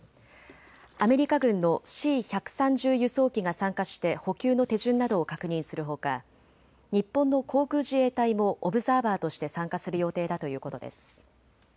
アメリカ軍のＣ１３０輸送機が参加して補給の手順などを確認するほか、日本の航空自衛隊もオブザーバーとして参加する予定だということです。